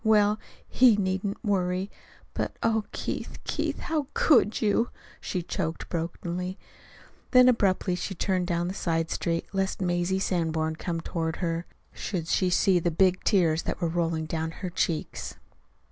Well, he needn't worry! But oh, Keith, Keith, how could you?" she choked brokenly. Then abruptly she turned down a side street, lest Mazie Sanborn, coming toward her, should see the big tears that were rolling down her cheeks.